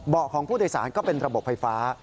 ของผู้โดยสารก็เป็นระบบไฟฟ้า